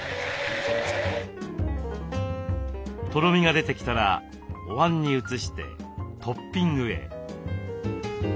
とろみが出てきたらおわんに移してトッピングへ。